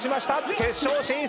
決勝進出！